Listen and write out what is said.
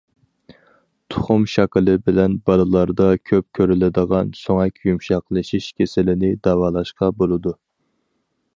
تۇخۇم شاكىلى بىلەن بالىلاردا كۆپ كۆرۈلىدىغان سۆڭەك يۇمشاقلىشىش كېسىلىنى داۋالاشقا بولىدۇ.